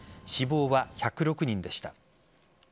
死亡は１０６人でした。